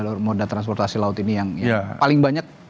untuk mudik modal transportasi laut ini yang paling banyak